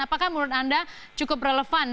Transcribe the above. apakah menurut anda cukup relevan